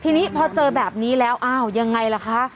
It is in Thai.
ทีนี้พอเจอแบบนี้แล้วอ้าวยังไงล่ะคะ